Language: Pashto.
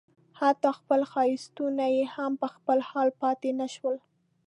حتی خپل ښایستونه یې هم په خپل حال پاتې نه شول.